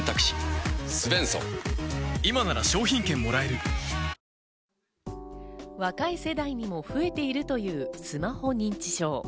新「アタックＺＥＲＯ」若い世代にも増えているというスマホ認知症。